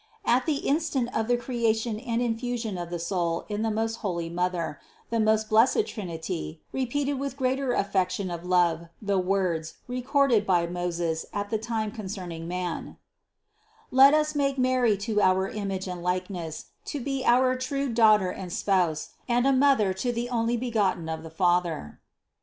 At the instant of the creation and infusion of the soul in the most holy Mother, the THE CONCEPTION 181 most blessed Trinity, repeated with greater affection of love the words, recorded by Moses at that time concern ing man : "Let us make Mary to our image and like ness to be our true Daughter and Spouse and a Mother to the Onlybegotten of the Father."